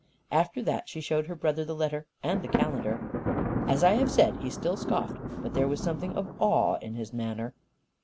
After that she showed her brother the letter and the calendar. As I have said, he still scoffed. But there was something of awe in his manner.